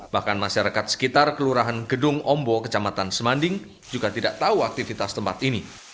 bahkan masyarakat sekitar kelurahan gedung ombo kecamatan semanding juga tidak tahu aktivitas tempat ini